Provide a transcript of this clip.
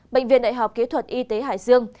bệnh viện đại học kỹ thuật y tế hải dương